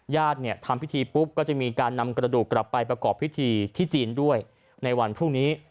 ญาติเนี่ยทำพิธีปุ๊บก็จะมีการนำกระดูกกลับไปประกอบพิธีที่จีนด้วยในวันพรุ่งนี้